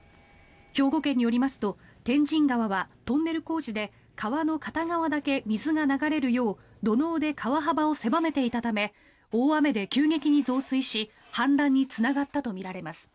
兵庫県によりますと天神川はトンネル工事で川の片側だけ水が流れるよう土のうで川幅を狭めていたため大雨で急激に増水し氾濫につながったとみられます。